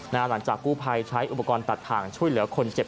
หลังจากกู้ภัยใช้อุปกรณ์ตัดถ่างช่วยเหลือคนเจ็บ